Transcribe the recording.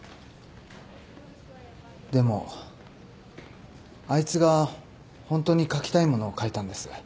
でもあいつがホントに書きたいものを書いたんです。